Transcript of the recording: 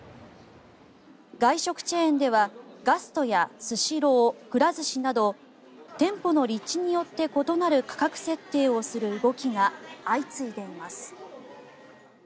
外食チェーンではガストやスシロー、くら寿司など店舗の立地によって異なる価格設定をする動きが相次いでいます。